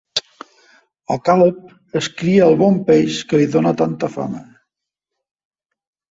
A Calp es cria el bon peix, que li dona tanta fama.